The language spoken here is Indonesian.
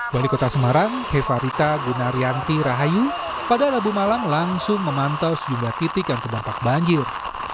wali kota semarang hefarita gunaryanti rahayu pada rabu malam langsung memantau sejumlah titik yang terdampak banjir